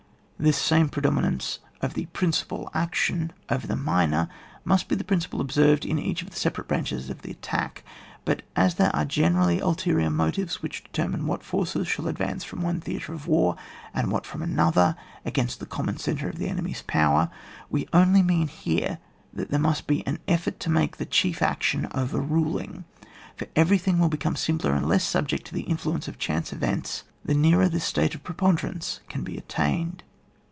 This same predominance of the prin cipal action over the minor, must be the principle observed in each of the separate branches of the attack. But as there are generally ulterior motives which determine what forces shall ad vance from one theatre of war, and what from another against the common centre of the enemy's power, we only mean here that there must be an effort to make the chief action over ruling j for ever3rthing will become simpler and less subject to the influence of chance events the nearer 82 ON WAR. [boos vm. this state of preponderance can be at tained.